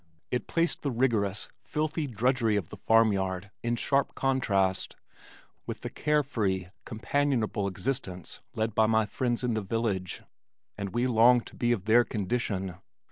It placed the rigorous, filthy drudgery of the farm yard in sharp contrast with the carefree companionable existence led by my friends in the village, and we longed to be of their condition.